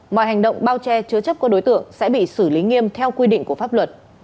mọi hành động bao che chứa chấp của đối tượng sẽ bị xử lý nghiêm theo quy định của pháp luật